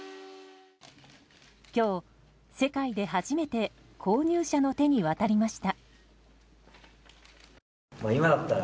今日世界で初めて購入者の手に渡りました。